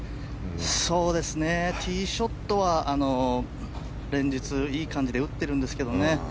ティーショットは連日いい感じで打ってるんですけどね